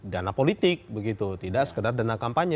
dana politik begitu tidak sekedar dana kampanye